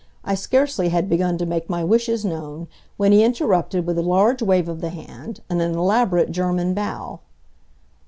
I scarcely had begun to make my wishes known when he interrupted with a large wave of the hand, and an elaborate German bow.